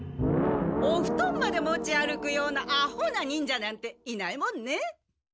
おふとんまで持ち歩くようなアホな忍者なんていないもんね。